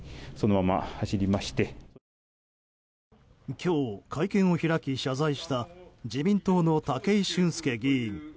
今日、会見を開き謝罪した自民党の武井俊輔議員。